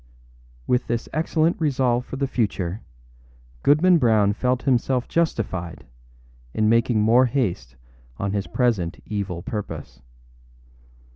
â With this excellent resolve for the future, Goodman Brown felt himself justified in making more haste on his present evil purpose.